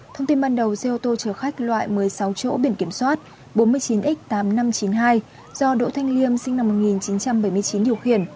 thông tin ban đầu xe ô tô chở khách loại một mươi sáu chỗ biển kiểm soát bốn mươi chín x tám nghìn năm trăm chín mươi hai do đỗ thanh liêm sinh năm một nghìn chín trăm bảy mươi chín điều khiển